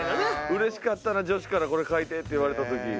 うれしかったな女子から「これ書いて」って言われた時。